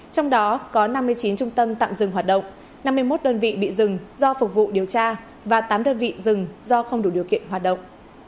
trong đó có năm mươi chín trung tâm tạm dừng hoạt động năm mươi một đơn vị bị dừng do phục vụ điều tra và tám đơn vị rừng do không đủ điều kiện hoạt động